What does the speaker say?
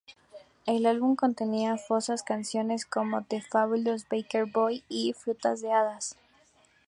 El álbum contenía famosas canciones como "The Fabulous Baker Boy" y "Frutas de hadas.